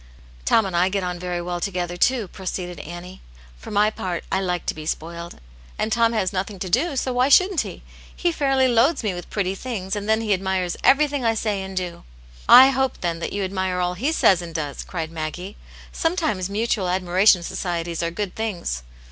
" Tom and I get on very well together, too," pro ceeded Annie. " For my part, I like to be spoiled. And Tom has nothing to do, so why shouldn't he ? He fairly loads me with pretty things, and then he admires everything I say and do." " I hope, then, that you admire all he says and does!" cried Maggie. "Sometimes mutual admira tion societies are good things."